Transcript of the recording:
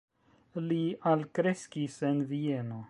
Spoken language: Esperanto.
Li alkreskis en Vieno.